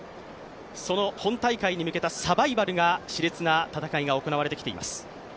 その本大会に向けたサバイバルが熾烈な戦いが行われてきています。